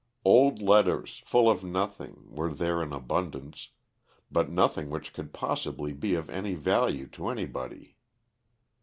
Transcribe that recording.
Old letters, full of nothing, were there in abundance, but nothing which could possibly be of any value to anybody.